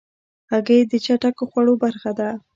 هګۍ د چټکو خوړو برخه ده.